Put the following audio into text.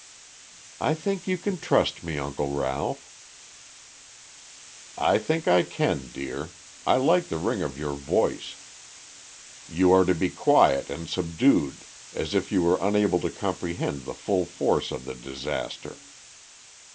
"I think you can trust me, Uncle Ralph." "I think I can, dear. I like the ring of your voice. You are to be quiet and subdued as if you were unable to comprehend the full force of the disaster.